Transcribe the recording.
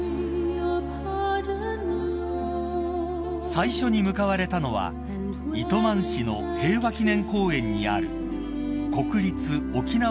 ［最初に向かわれたのは糸満市の平和祈念公園にある］